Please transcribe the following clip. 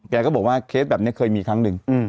แกก็บอกว่าเคศแบบเนี่ยครับเนี่ยเคยมีครั้งทึง